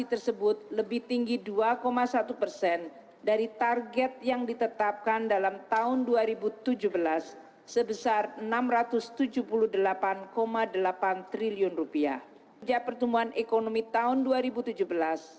pertumbuhan ekonomi terjadi karena meningkatnya investasi dan impor barang modal